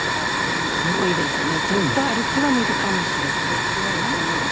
ちょっと歩きは無理かもしれないですね。